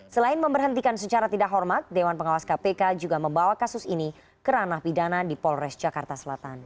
selain memberhentikan secara tidak hormat dewan pengawas kpk juga membawa kasus ini ke ranah pidana di polres jakarta selatan